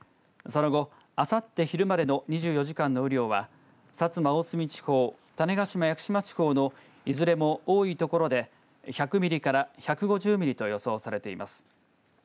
その後あさって昼までの２４時間の雨量は薩摩、大隅地方種子島・屋久島地方のいずれも多いところで１００ミリから１５０ミリと予想されています。